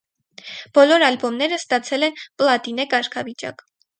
Բոլոր ալբոմները ստացել են պլատինե կարգավիճակ։